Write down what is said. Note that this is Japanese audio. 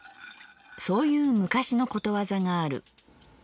そういう昔のことわざがある。